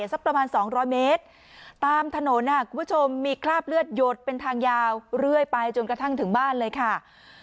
สักประมาณ๒๐๐เมตรตามถนนคุณผู้ชมมีคราบเลือดหยดเป็นทางยาวเรื่อยไปจนกระทั่งถึงบ้านเลยค่ะ